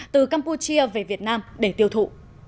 từ campuchia về việt nam để tiêu thụ